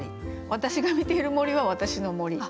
私が見ている森は私の森。